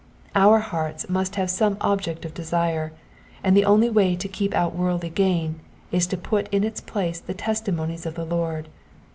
Our hearts must have some object of desire, and the only way to keep out worldly gain is to put in its place the testimonies of the Lord.